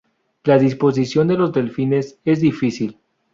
La disposición de los delfines es difícil.